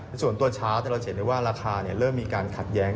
ส่วนตัวช้าแต่เราจะเห็นได้ว่าราคาเริ่มมีการขัดแย้ง